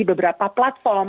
di beberapa platform